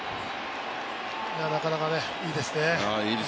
なかなかいいですね